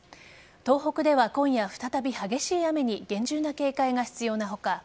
東北では今夜再び激しい雨に厳重な警戒が必要な他